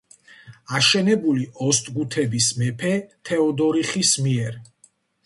აშენებული ოსტგუთების მეფე თეოდორიხის მიერ.